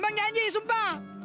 emang nyanyi sumpah